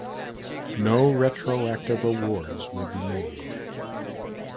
No retroactive awards will be made.